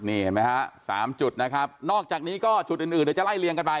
นี่เห็นไหมฮะสามจุดนะครับนอกจากนี้ก็จุดอื่นอื่นเดี๋ยวจะไล่เลี่ยงกันไป